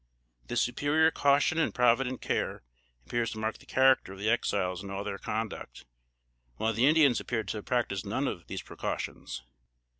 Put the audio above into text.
This superior caution and provident care appears to mark the character of the Exiles in all their conduct; while the Indians appear to have practised none of these precautions.